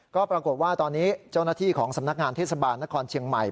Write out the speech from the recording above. ก็ปรากฏว่าตอนนี้เจ้าหน้าที่ของสำนักงานเทศบาลนครเชียงใหม่